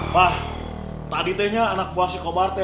bah tadi tehnya anak gue si kobarte